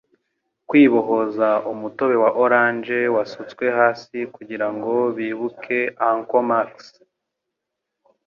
Kwibohoza umutobe wa orange wasutswe hasi kugirango bibuke Uncle Max,